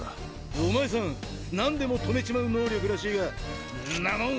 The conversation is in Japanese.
お前さん何でも止めちまう能力らしいがんなもん